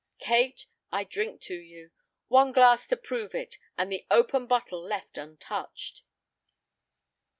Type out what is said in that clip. "Kate, I drink to you. One glass to prove it, and the open bottle left untouched."